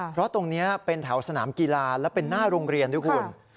เพราะตรงนี้เป็นแถวสนามกีฬาและเป็นหน้าโรงเรียนด้วยคุณ